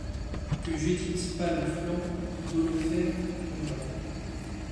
Que Judith pâle au flanc d'Holopherne plongea.